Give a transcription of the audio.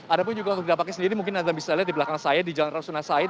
ada pun juga untuk dampaknya sendiri mungkin anda bisa lihat di belakang saya di jalan rasuna said